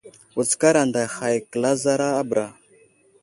Wutskar anday hay kəlazara a bəra.